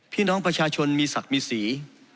พี่น้องประชาชนมีศักดิ์มีสี